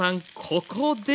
ここで！